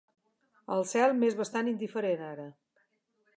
El cel m'és bastant indiferent, ara.